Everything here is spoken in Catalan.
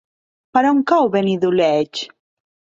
Per on cau Benidoleig?